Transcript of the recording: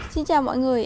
xin chào mọi người